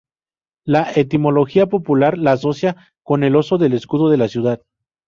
La etimología popular lo asocia con el oso del escudo de la ciudad.